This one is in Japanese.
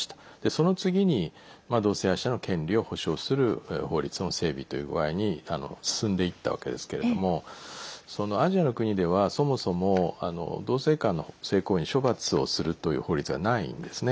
その次に同性愛者の権利を保障する法律の整備という具合に進んでいったわけですけれどもアジアの国ではそもそも同性間の性行為に処罰をするという法律がないんですね。